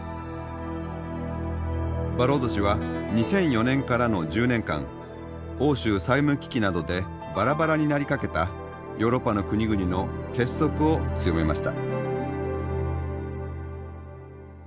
バローゾ氏は２００４年からの１０年間欧州債務危機などでバラバラになりかけたヨーロッパの国々の結束を強めました。